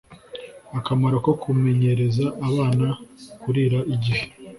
Akamaro ko kumenyereza abana kurira igihe